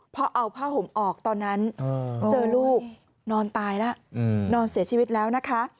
พอเอาผ้าห่มออกตอนนั้นเจอลูกนอนตายแล้วนอนเสียชีวิตแล้วนะคะ